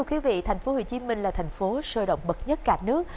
kính thưa quý vị thành phố hồ chí minh là thành phố sơ động bậc nhất cả nước